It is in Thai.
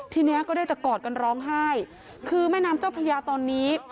ทีนี้ก็ได้แต่กอดกันร้องไห้คือแม่น้ำเจ้าพระยาตอนนี้